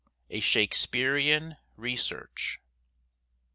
A SHAKESPEARIAN RESEARCH.